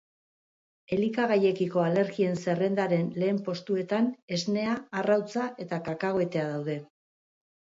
Elikagaiekiko alergien zerrendaren lehen postuetan esnea, arrautza eta kakahuetea daude.